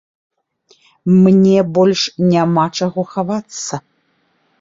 Мне больш няма чаго хавацца.